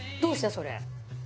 それ。